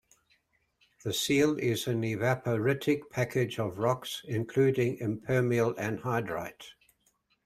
The seal is an evaporitic package of rocks including impermeable anhydrite.